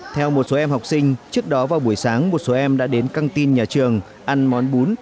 theo một số em học sinh trước đó vào buổi sáng một số em đã đến căng tin nhà trường ăn món bún